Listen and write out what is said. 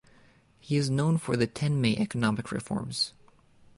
He is known for the Tenmei economic reforms.